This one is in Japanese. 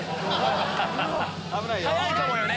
早いかもよね。